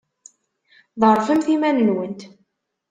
Ḍerrfemt iman-nwent.